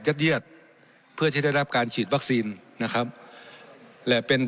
เยียดเพื่อจะได้รับการฉีดวัคซีนนะครับและเป็น